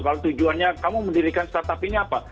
kalau tujuannya kamu mendirikan startup ini apa